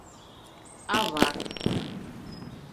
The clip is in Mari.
Ава